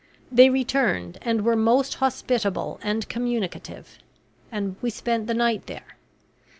They returned and were most hospitable and communicative; and we spent the night there.